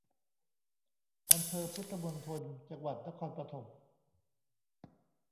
อำเภอพุทธมณฑล จังหวัดนครปฐม